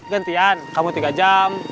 gantian kamu tiga jam